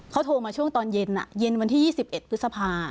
เขาโทรมาช่วงตอนเย็นเย็นวันที่๒๑พฤษภา